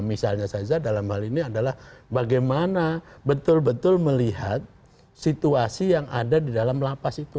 misalnya saja dalam hal ini adalah bagaimana betul betul melihat situasi yang ada di dalam lapas itu